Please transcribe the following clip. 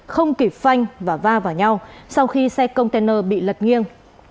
không kịp phanh và va vào nhau sau khi xe container bị lật nghiêng